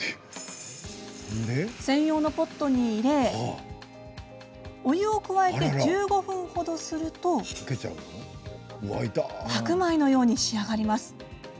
専用のポットに入れお湯を加えて１５分ほどすると白米のように仕上がります。